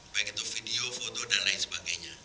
baik itu video foto dan lain sebagainya